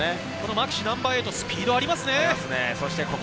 マキシ、ナンバー８、スピードがありますね。